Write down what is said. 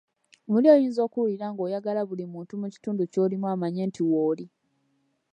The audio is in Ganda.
Muli oyinza okuwulira ng'oyagala buli muntu mu kitundu ky'olimu amanye nti w'oli.